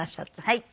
はい。